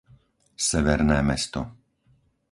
Severné Mesto